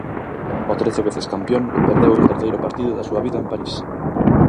O trece veces campión perdeu o terceiro partido da súa vida en París.